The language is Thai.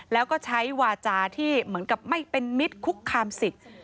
แล้วก็ใช้วาจาที่เหมือนกับไม่เป็นมิตรคุกคามสิทธิ์